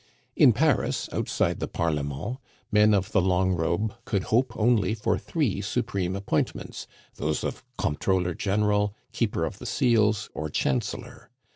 In Paris, outside the Parlement, men of the long robe could hope only for three supreme appointments: those of Controller General, Keeper of the Seals, or Chancellor.